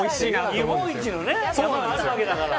日本一の山があるわけだから。